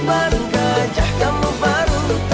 aduh aduh aduh